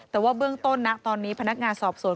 แต่ว่าเบื้องต้นนะตอนนี้พนักงานสอบสวน